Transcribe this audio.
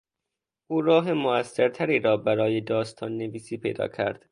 او راه موثرتری را برای داستان نویسی پیدا کرد.